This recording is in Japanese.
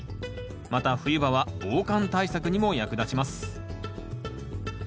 また冬場は防寒対策にも役立ちます